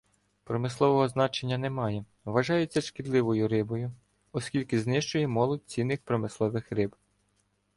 Промислового значення не має, вважається шкідливою рибою, оскільки знищує молодь цінних промислових риб.